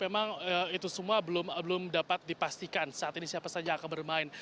memang itu semua belum dapat dipastikan saat ini siapa saja yang akan bermain